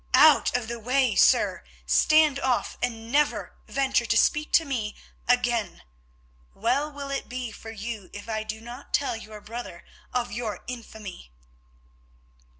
Out of the way, sir! Stand off, and never venture to speak to me again. Well will it be for you if I do not tell your brother of your infamy."